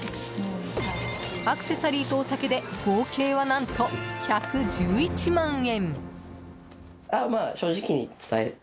アクセサリーとお酒で合計は、何と１１１万円。